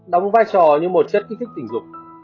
đóng vai trò như một chất kích thích tình dục